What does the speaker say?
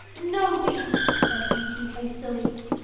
no, Beast!' said Beauty, hastily.